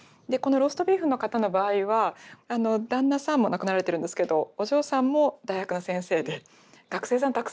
でこのローストビーフの方の場合は旦那さんもう亡くなられてるんですけどお嬢さんも大学の先生で学生さん